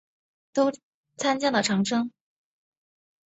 参加了长征。